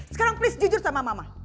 sekarang please jujur sama mama